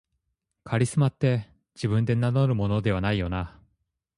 カリスマって自分で名乗るものではないよな